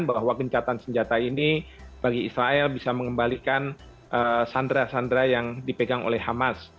bahwa gencatan senjata ini bagi israel bisa mengembalikan sandra sandra yang dipegang oleh hamas